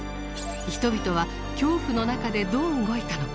人々は、恐怖の中でどう動いたのか。